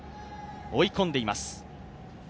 追い込んでいます。